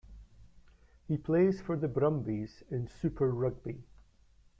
He plays for the Brumbies in Super Rugby.